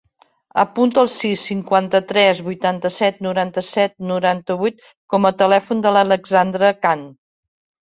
Apunta el sis, cinquanta-tres, vuitanta-set, noranta-set, noranta-vuit com a telèfon de l'Alexandra Khan.